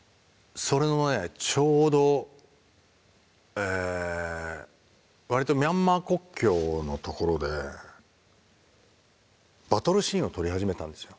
それのねちょうど割とミャンマー国境の所でバトルシーンを撮り始めたんですよ。